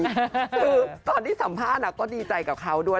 คือตอนที่สัมภาษณ์ก็ดีใจกับเขาด้วย